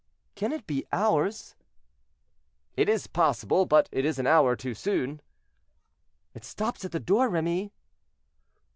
"Can it be ours?" "It is possible; but it is an hour too soon." "It stops at the door, Remy."